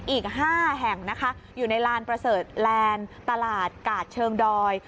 อีก๕แห่งนะคะอยู่ในลานประเสริฐแลนด์ตลาดกาดเชิงดอย